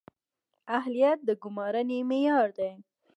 اهلیت د ګمارنې معیار دی